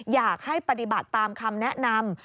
อยากให้ปฏิบัติตามคำแนะนำ